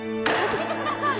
教えてください！